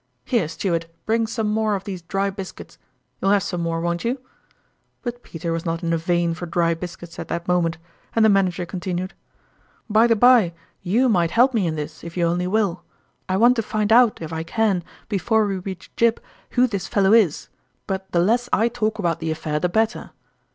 Here, steward, bring some more of these dry biscuits ; you'll have some more, won't you ?" But Peter was not in the vein for dry biscuits at that moment, and the Manager con tinued :" By the by, you might help me in this if you only will. I want to find out if I can before we reach Gib, who this fellow is, but the less I talk about the affair the better."